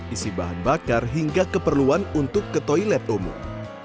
isi bahan bakar hingga keperluan untuk ke toilet umum